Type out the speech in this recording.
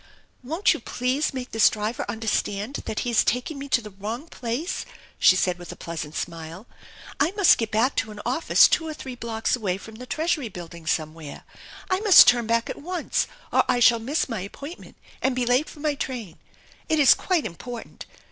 " Won't you please make this driver understand that he is taking me to the wrong place ?" she said with a pleasant smile. " I must get back to an office two or three blocks away from the Treasury Building somewhere. I must turn back at once or I shall miss my appointment and be late for my train. It is quite important.